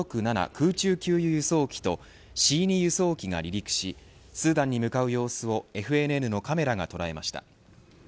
空中給油・輸送機とＣ−２輸送機が離陸しスーダンに向かう様子をＦＮＮのカメラが捉えました。